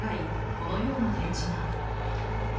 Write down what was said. このような展示が。